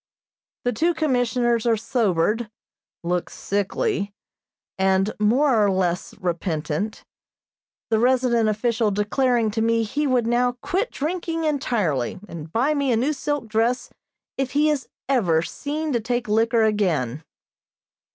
The two Commissioners are sobered, look sickly, and more or less repentant; the resident official declaring to me he would now quit drinking entirely, and buy me a new silk dress if he is ever seen to take liquor again.